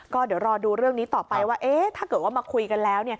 ก็เดี๋ยวรอดูเรื่องนี้ต่อไปว่าถ้าเกิดว่ามาคุยกันแล้ว